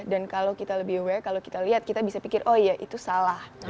dan kalau kita lebih aware kalau kita lihat kita bisa pikir oh ya itu salah